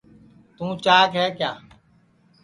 توں چاک ہے کیا